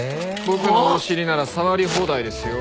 僕のお尻なら触り放題ですよ。